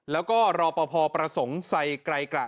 แล้วก็รอปภประสงค์ใส่ไกลกระ